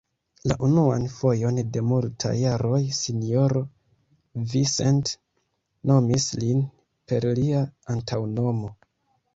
La unuan fojon de multaj jaroj sinjoro Vincent nomis lin per lia antaŭnomo.